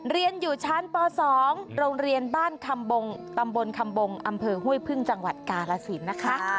เรียนอยู่ชั้นป๒โรงเรียนบ้านคำบงตำบลคำบงอำเภอห้วยพึ่งจังหวัดกาลสินนะคะ